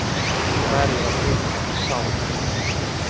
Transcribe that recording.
Nad väärivad kõike, mis saavutasime.